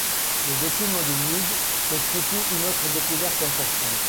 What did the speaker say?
Les documents de Mug constituent une autre découverte importante.